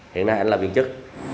hiện nay anh là viên chức